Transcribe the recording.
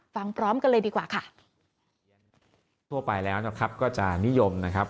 พร้อมกันเลยดีกว่าค่ะทั่วไปแล้วนะครับก็จะนิยมนะครับ